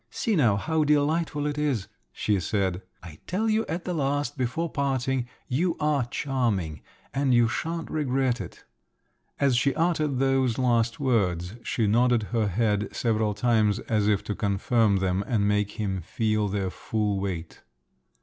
"See now, how delightful it is," she said. "I tell you at the last, before parting, you are charming, and you shan't regret it." As she uttered those last words, she nodded her head several times as if to confirm them and make him feel their full weight.